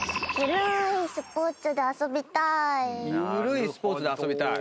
ゆるいスポーツで遊びたい？